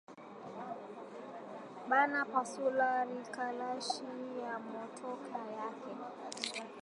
Bana pasula rikalashi ya motoka yake